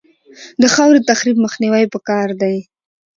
د خاورې تخریب مخنیوی پکار دی